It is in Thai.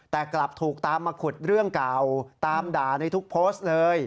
แต่กลับถูกตามมาขุดเรื่องเก่าตามด่าในทุกโพสต์เลย